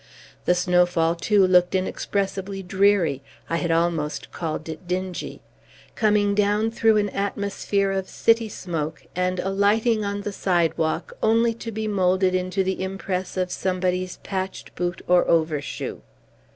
The snowfall, too, looked inexpressibly dreary (I had almost called it dingy), coming down through an atmosphere of city smoke, and alighting on the sidewalk only to be moulded into the impress of somebody's patched boot or overshoe.